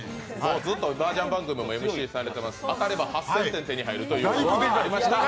ずっとマージャン番組のＭＣされてますし、当たれば８０００点、手に入るという。